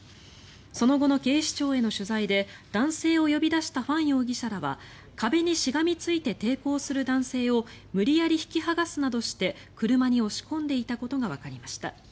その後の警視庁への取材で男性を呼び出したファン容疑者らは壁にしがみついて抵抗する男性を無理やり引き剥がすなどして車に押し込んでいたことがわかりました。